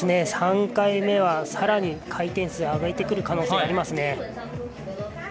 ３回目はさらに回転数上げてくる可能性ありますね。